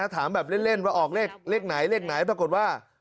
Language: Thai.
ถามแบบเล่นเล็กไหนถูกกดว่า